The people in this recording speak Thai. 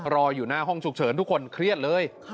รออยู่หน้าห้องฉุกเฉินทุกคนเครียดเลย